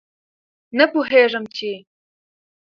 نه پوهېږم چې